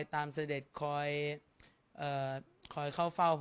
สงฆาตเจริญสงฆาตเจริญ